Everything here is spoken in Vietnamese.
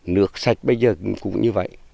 nước sạch bây giờ cũng như vậy